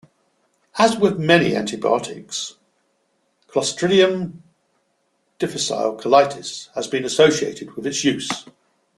As with many antibiotics, "Clostridium difficile" colitis has been associated with its use.